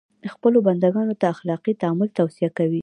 خپلو بنده ګانو ته اخلاقي تعالي توصیه کوي.